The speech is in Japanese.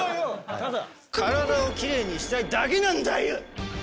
ただ体をキレイにしたいだけなんだよ。